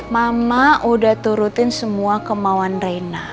mama udah turutin semua kemauan reina